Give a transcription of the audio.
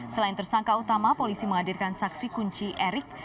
selain tersangka utama polisi menghadirkan saksi kunci erik